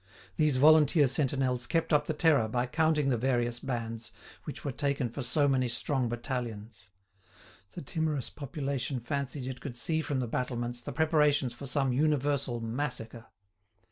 These volunteer sentinels kept up the terror by counting the various bands, which were taken for so many strong battalions. The timorous population fancied it could see from the battlements the preparations for some universal massacre.